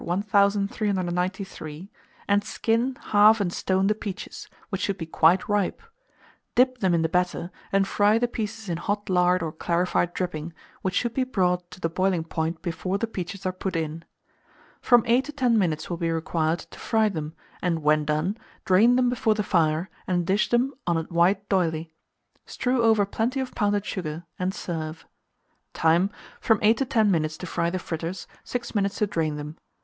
1393, and skin, halve, and stone the peaches, which should be quite ripe; dip them in the batter, and fry the pieces in hot lard or clarified dripping, which should be brought to the boiling point before the peaches are put in. From 8 to 10 minutes will be required to fry them, and, when done, drain them before the fire, and dish them on a white d'oyley. Strew over plenty of pounded sugar, and serve. Time. From 8 to 10 minutes to fry the fritters, 6 minutes to drain them.